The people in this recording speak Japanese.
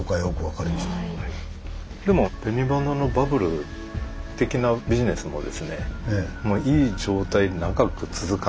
でも紅花のバブル的なビジネスもですねいい状態で長く続かないということで。